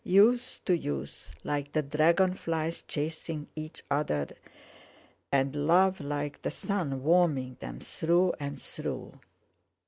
Youth to youth, like the dragon flies chasing each other, and love like the sun warming them through and through.